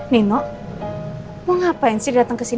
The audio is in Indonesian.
nino mau ngapain sih datang kesini